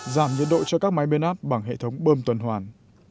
giảm nhiệt độ cho các máy biến áp bằng hệ thống bơm tuần hoàn